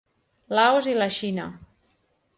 Laos i la Xina.